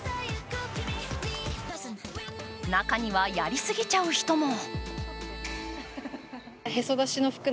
中には、やりすぎちゃう人も。